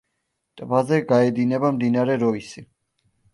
ტბაზე გაედინება მდინარე როისი.